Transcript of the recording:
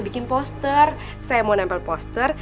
bikin poster saya mau nempel poster